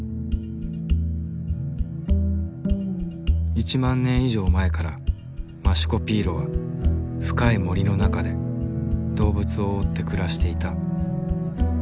１万年以上前からマシュコピーロは深い森の中で動物を追って暮らしていた。